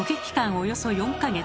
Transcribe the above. およそ４か月。